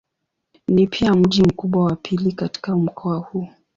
Ni pia mji mkubwa wa pili katika mkoa huu.